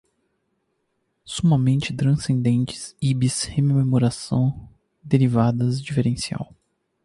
Sumamente, transcendentes, íbis, rememoração, derivadas, diferencial